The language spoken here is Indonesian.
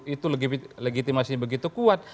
itu legitimasi begitu kuat